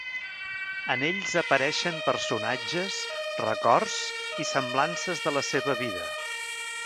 En ells apareixen personatges, records i semblances de la seva vida.